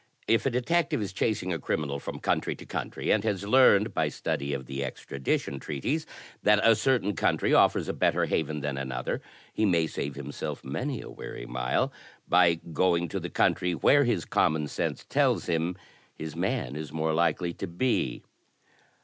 If a detective is chasing a criminal from country to country, and has learned, by study of the extradition treaties, that a certain country offers a better haven than another, he may save himself many a w^ry mile by going to the country where his common sense tells him his man is more likely to be.